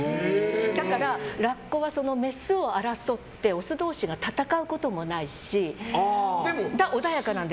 だから、ラッコはそのメスを争ってオス同士が戦うこともないし穏やかなんです。